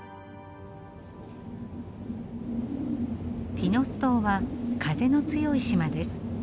ティノス島は風の強い島です。